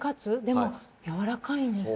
でもやわらかい。